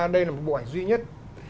đây là một bộ ảnh duy nhất